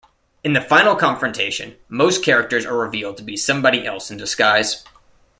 In the final confrontation, most characters are revealed to be somebody else in disguise.